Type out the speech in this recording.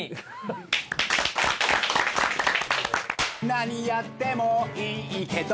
「何やってもいいけど」